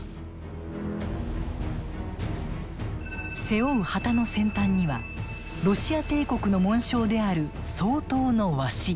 背負う旗の先端にはロシア帝国の紋章である双頭のワシ。